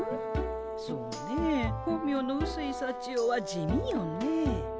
そうねえ本名のうすいさちよは地味よね。